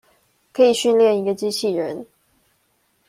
可以訓練一個機器人